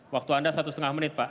waktu anda satu setengah menit pak